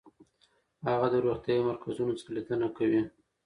هغه د روغتیايي مرکزونو څخه لیدنه کوي.